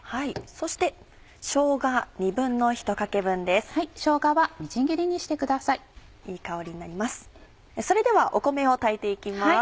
それでは米を炊いて行きます。